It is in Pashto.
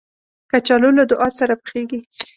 کچالو له دعا سره پخېږي